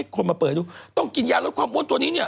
คนมาเปิดดูต้องกินยาลดความอ้วนตัวนี้เนี่ย